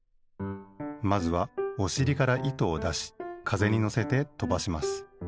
まずはおしりから糸をだしかぜにのせてとばします。